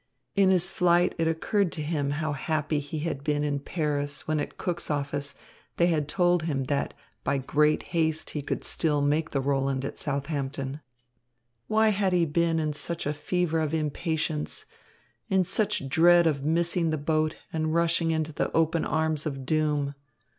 In his flight it occurred to him how happy he had been in Paris when at Cook's office they had told him that by great haste he could still make the Roland at Southampton. Why had he been in such a fever of impatience, in such dread of missing the boat and rushing into the open arms of doom?